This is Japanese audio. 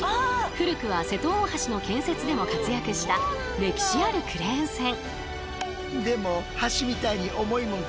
古くは瀬戸大橋の建設でも活躍した歴史あるクレーン船。